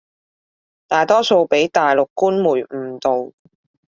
大多數畀大陸官媒誤導